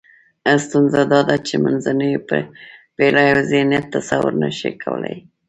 ستونزه دا ده چې منځنیو پېړیو ذهنیت تصور نشي کولای.